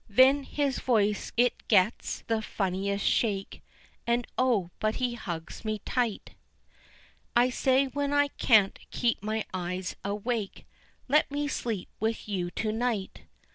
Then his voice it gets the funniest shake, And oh, but he hugs me tight! I say, when I can't keep my eyes awake, "Let me sleep with you to night."